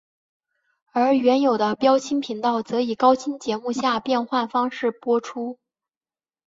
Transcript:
而原有的标清频道则以高清节目下变换方式播出。